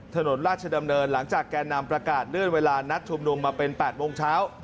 ถนนราชดำเนินหลังจากแก่นำประกาศเลื่อนเวลานัดชุมนุมมาเป็น๘โมงเช้า